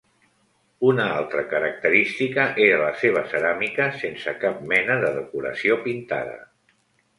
Una altra característica era la seva ceràmica sense cap mena de decoració pintada.